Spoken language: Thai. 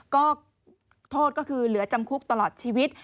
ก็โทษก็คือเหลือจำคุกตลอดชีวิต